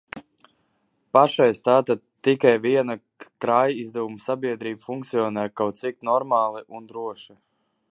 Pašreiz tātad tikai viena krājaizdevumu sabiedrība funkcionē kaut cik normāli un droši.